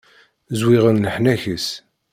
Zwiɣen leḥnak-is.